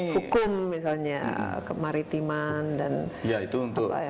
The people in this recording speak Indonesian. hukum misalnya kemaritiman dan apa ya